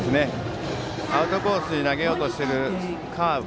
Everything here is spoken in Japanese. アウトコースに投げようとしているカーブ。